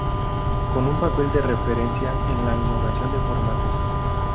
Con un papel de referencia en la innovación de formatos.